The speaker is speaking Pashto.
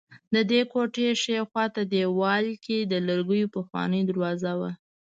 ددې کوټې ښي خوا ته دېوال کې د لرګیو پخوانۍ دروازه وه.